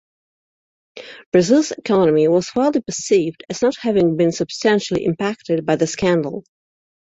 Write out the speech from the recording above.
Brazil's economy was widely perceived as not having been substantially impacted by the scandal.